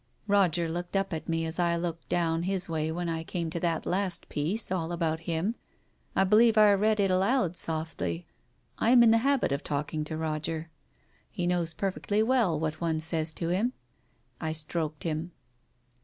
Roger looked up at me, as I looked down his way when I came to that last piece all about him. I believe I read it aloud softly. I am in the habit of talking to Roger. He knows perfectly well what one says to him. I stroked him.